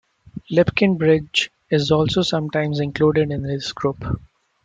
Lipkin Bridge is also sometimes included in this group.